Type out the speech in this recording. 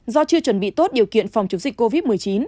do chưa chuẩn bị tốt điều kiện phòng chống dịch covid một mươi chín